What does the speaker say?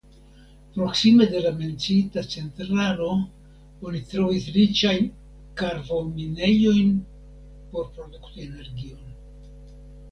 Proksime de la menciita centralo oni trovis riĉajn karvominejojn por produkti energion.